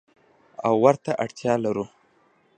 او ورته اړتیا لرو.